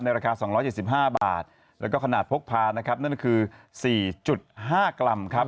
ราคา๒๗๕บาทแล้วก็ขนาดพกพานะครับนั่นก็คือ๔๕กรัมครับ